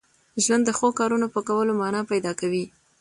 ژوند د ښو کارونو په کولو مانا پیدا کوي.